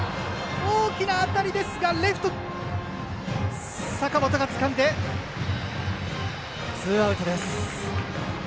大きな当たりでしたがレフトの坂元がつかんでツーアウト。